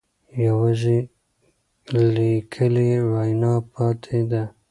یوازې لیکلې وینا پاتې ده.